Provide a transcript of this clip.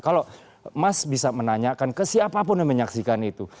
kalau mas bisa menanyakan kesiapapun yang menyaksikan itu